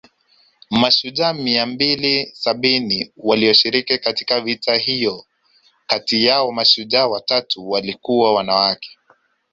Mashujaa mia mbili sabini walioshiriki katika vita hiyo kati yao mashujaa watatu walikuwa wanawake